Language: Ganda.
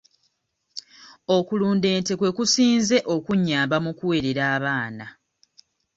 Okulunda ente kwe kusinze okunnyamba mu kuweerera abaana.